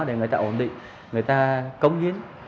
để người ta ổn định người ta cống hiến